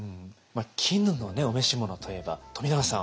絹のお召し物といえば冨永さん